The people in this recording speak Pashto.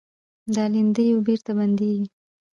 دا لیندیو بېرته بندېږي.